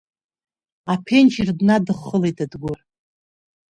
Аԥенџьыр днадыххылеит Адгәыр.